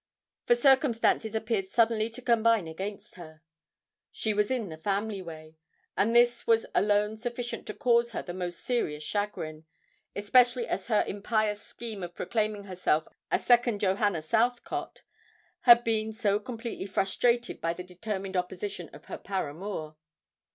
For circumstances appeared suddenly to combine against her. She was in the family way—and this was alone sufficient to cause her the most serious chagrin, especially as her impious scheme of proclaiming herself a second Johanna Southcott had been so completely frustrated by the determined opposition of her paramour.